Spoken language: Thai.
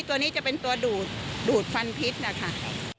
ตัวนี้จะเป็นตัวดูดฟันพิษนะคะ